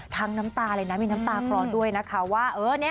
น้ำตาเลยนะมีน้ำตาคลอด้วยนะคะว่า